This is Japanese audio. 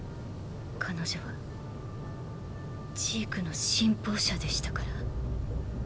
彼女はジークの信奉者でしたから。